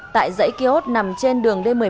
tại dãy kiosk nằm trên đường d một mươi bảy